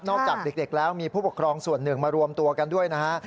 จากเด็กแล้วมีผู้ปกครองส่วนหนึ่งมารวมตัวกันด้วยนะฮะ